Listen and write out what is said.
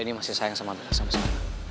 dan dia masih sayang sama bela sama sekarang